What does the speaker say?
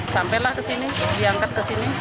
sampailah ke sini diangkat ke sini